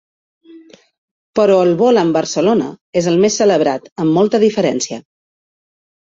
Però el vol amb Barcelona és el més celebrat, amb molta diferència.